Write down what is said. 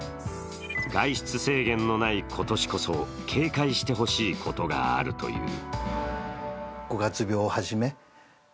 外出制限のない今年こそ警戒してほしいことがあるという。